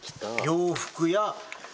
「洋服や」